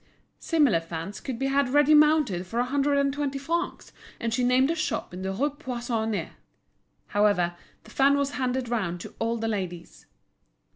Similar fans could be had ready mounted for a hundred and twenty francs, and she named a shop in the Rue Poissonnière. However, the fan was handed round to all the ladies.